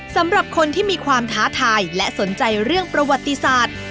สำหรับคนที่มีความท้าทายและสนใจเรื่องประวัติศาสตร์